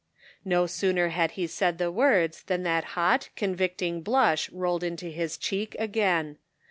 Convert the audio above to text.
" No sooner had he said the words than that hot, convicting blush rolled into his cheek again.